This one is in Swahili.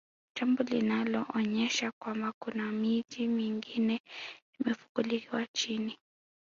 jambo linaloonyesha kwamba kuna miji mingine imefukiwa chini